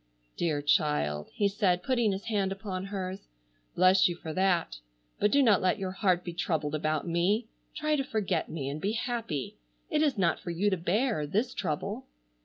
"Dear child!" he said, putting his hand upon hers. "Bless you for that. But do not let your heart be troubled about me. Try to forget me and be happy. It is not for you to bear, this trouble."